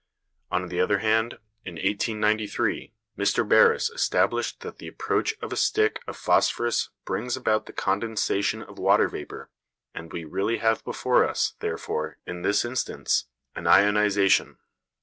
On the other hand, in 1893 Mr Barus established that the approach of a stick of phosphorus brings about the condensation of water vapour, and we really have before us, therefore, in this instance, an ionisation.